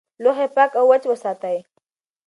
لوښي پاک او وچ وساتئ.